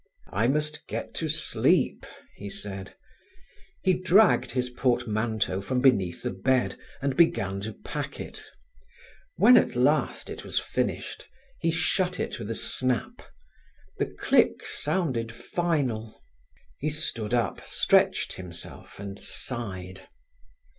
"I must get to sleep," he said. He dragged his portmanteau from beneath the bed and began to pack it. When at last it was finished, he shut it with a snap. The click sounded final. He stood up, stretched himself, and sighed.